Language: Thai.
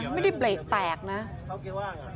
ไม่ได้เบรกแตกนะ